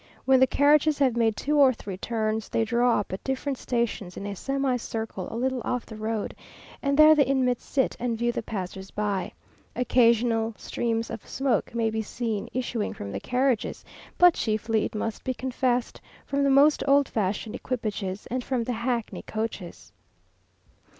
When the carriages have made two or three turns, they draw up at different stations in a semicircle a little off the road, and there the inmates sit and view the passers by. Occasional streams of smoke may be seen issuing from the carriages, but chiefly, it must be confessed, from the most old fashioned equipages, and from the hackney coaches.